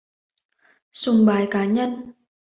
Sùng bái cá nhân